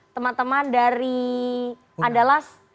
teman teman dari andalas